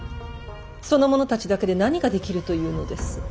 その者たちだけで何ができるというのです。